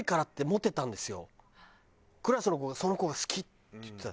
クラスの子が「その子が好き」って言ってた。